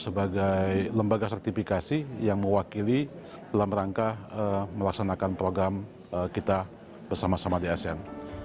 sebagai lembaga sertifikasi yang mewakili dalam rangka melaksanakan program kita bersama sama di asean